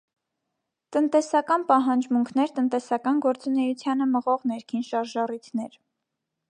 Տնտեսական պահանջմունքներ տնտեսական գործունեությանը մղող նեքին շարժառիթներ։